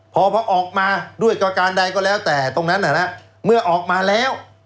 พอออกมาด้วยประการใดก็แล้วแต่ตรงนั้นเมื่อออกมาแล้ว